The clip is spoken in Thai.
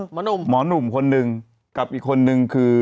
หนุ่มหมอหนุ่มคนหนึ่งกับอีกคนนึงคือ